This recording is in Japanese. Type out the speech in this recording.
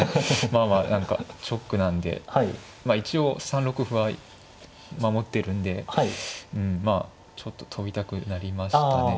まあまあ何か直なんで一応３六歩は守ってるんでうんまあちょっと跳びたくなりましたね。